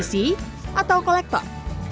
musisi atau kolektor